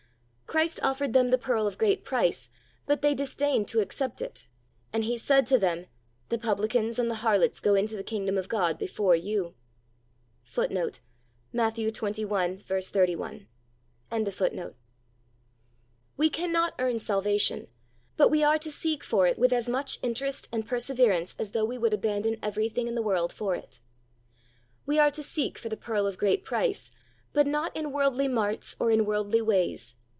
"" Christ offered them the pearl of great price; but they disdained to accept it, and He said to them, "The publicans and the harlots go into the kingdom of God before you."^ We can not earn salvation, but we are to seek for it with as much interest and perseverance as though we would abandon everything in the world for it. We are to seek for the pearl of great price, but not in worldly marts or in worldly ways.